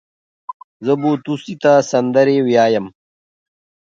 زه بو توسې ته سندرې ويايم.